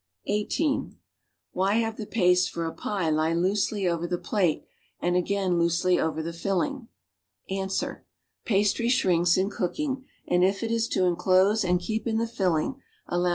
(18) Why have the paste for apiclicloose 1_\' over the plate and again loosely over the fill ing? Ans. Past ry shrinks in cooking and if it is to enclose and keep in the filling, allowance magic cover.